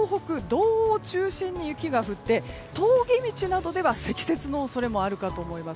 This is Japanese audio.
道央を中心に雪が降って峠道などでは積雪の恐れもあると思います。